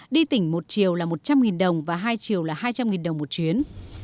đi tỉnh một chiều là một trăm linh đồng và hai chiều là hai trăm linh đồng một chuyến